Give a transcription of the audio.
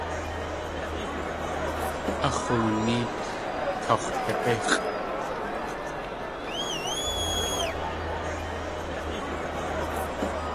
A x̲oonéet kax̲wdig̲íxʼ.